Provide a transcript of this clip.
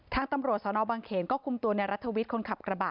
ทางตำรวจสนบางเขนก็คุมตัวในรัฐวิทย์คนขับกระบะ